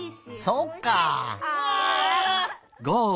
そっか。